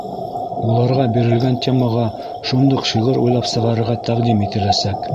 Уларға бирелгән темаға шундуҡ шиғыр уйлап сығарырға тәҡдим ителәсәк.